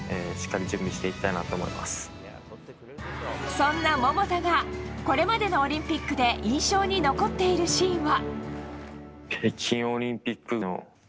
そんな桃田がこれまでのオリンピックで印象に残っているシーンは？